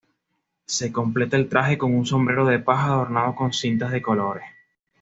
Se completa el traje con un sombrero de paja adornado con cintas de colores.